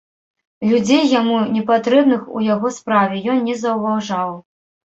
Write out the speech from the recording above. Людзей, яму непатрэбных у яго справе, ён не заўважаў.